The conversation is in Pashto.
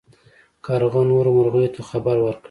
کارغه نورو مرغیو ته خبر ورکړ.